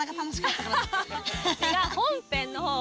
本編の方。